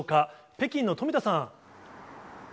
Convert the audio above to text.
北京の富田さん。